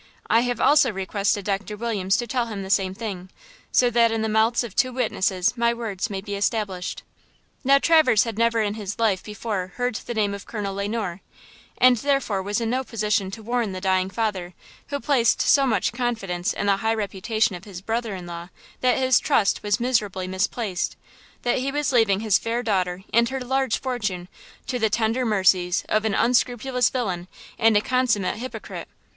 I have also requested Doctor Williams to tell him the same thing, so that in the mouths of two witnesses my words may be established." Now, Traverse had never in his life before heard the name of Colonel Le Noir; and, therefore, was in no position to warn the dying father who placed so much confidence in the high reputation of his brother in law that his trust was miserably misplaced; that he was leaving his fair daughter and her large fortune to the tender mercies of an unscrupulous villain and a consummate hypocrite.